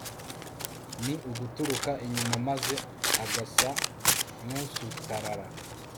ni uguturuka inyuma maze agasa nusutarara